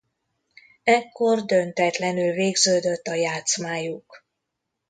Ekkor döntetlenül végződött a játszmájuk.